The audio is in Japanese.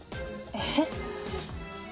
えっ？